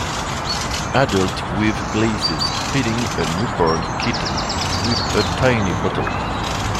Adult with glasses feeding a newborn kitten with a tiny bottle